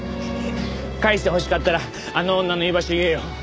返してほしかったらあの女の居場所言えよ。